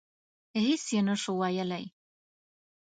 هېڅ یې نه شو ویلای.